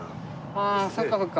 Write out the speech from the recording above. ああそっかそっか。